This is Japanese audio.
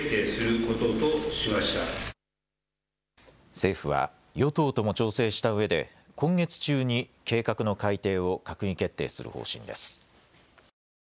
政府は与党とも調整したうえで今月中に計画の改訂を閣議決定する方針です。